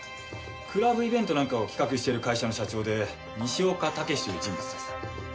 クラブイベントなんかを企画してる会社の社長で西岡毅という人物です。